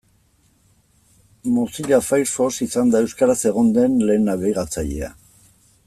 Mozilla Firefox izan da euskaraz egon den lehen nabigatzailea.